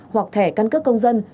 hoặc thẻ căn cước công dân